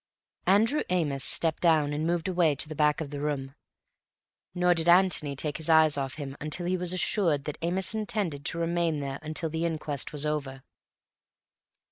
Andrew Amos stepped down and moved away to the back of the room, nor did Antony take his eyes off him until he was assured that Amos intended to remain there until the inquest was over.